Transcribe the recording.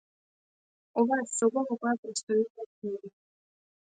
Ова е соба во која престојуваат книги.